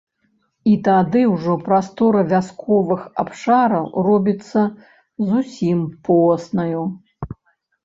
І тады ўжо прастора вясковых абшараў робіцца зусім поснаю.